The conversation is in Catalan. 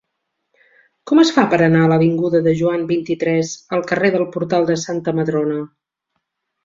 Com es fa per anar de l'avinguda de Joan vint-i-tres al carrer del Portal de Santa Madrona?